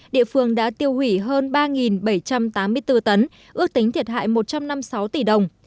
địa phương đã tiêu hủy hơn ba bảy trăm tám mươi bốn tấn ước tính thiệt hại một trăm năm mươi sáu tỷ đồng